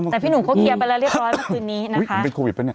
แต่พี่หนุ่มเขาเคลียร์ไปแล้วเรียบร้อยเมื่อคืนนี้นะคะเป็นโควิดปะเนี่ย